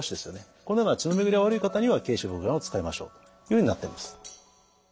このような血の巡りが悪い方には桂枝茯苓丸を使いましょうというふうになっています。